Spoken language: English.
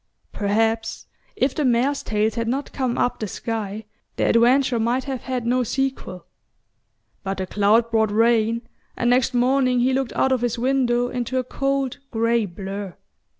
Perhaps if the mares' tails had not come up the sky their adventure might have had no sequel. But the cloud brought rain, and next morning he looked out of his window into a cold grey blur.